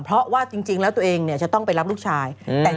เพราะว่าจริงแล้วตัวเองเนี่ยจะต้องไปรับลูกชาย